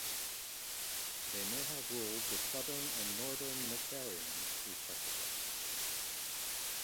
They may have ruled the southern and northern Mercians respectively.